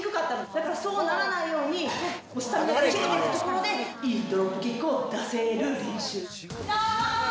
だからそうならないように、スタミナが切れてるところで、いいドロップキックを出せる練習。